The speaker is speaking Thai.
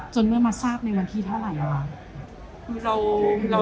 เมื่อมาทราบในวันที่เท่าไหร่คะ